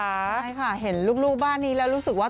ใช่ค่ะเห็นลูกบ้านนี้แล้วรู้สึกว่า